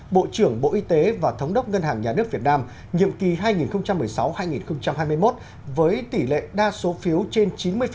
bộ trưởng bộ y tế và thống đốc ngân hàng nhà nước việt nam nhiệm kỳ hai nghìn một mươi sáu hai nghìn hai mươi một với tỷ lệ đa số phiếu trên chín mươi